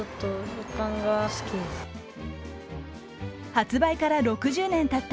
発売から６０年たった